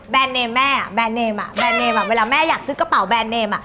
แบนเนมแบนเนมอะแบนเนมอะแบนเนมอะเวลาแม่อยากซื้อกระเป๋าแบนเนมอะ